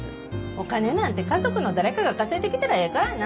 お金なんて家族の誰かが稼いできたらええからな。